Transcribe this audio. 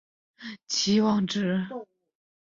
互信息是的期望值。